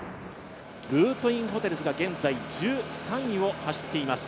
ルートインホテルズが現在、１３位を走っています。